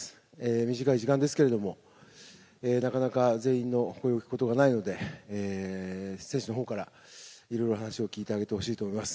短い時間ですけれども、なかなか全員のこういうことがないので、選手のほうからいろいろ話を聞いてあげてほしいと思います。